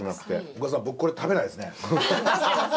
奥田さん僕これ食べないですね。